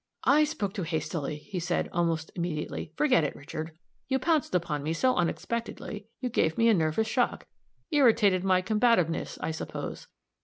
"I spoke too hastily," he said, almost immediately. "Forget it, Richard. You pounced upon me so unexpectedly, you gave me a nervous shock irritated my combativeness, I suppose.